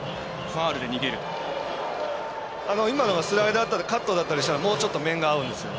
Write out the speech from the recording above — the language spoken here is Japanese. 今のがスライダーとかカットとかだったりしたらもうちょっと面が合うんですよ。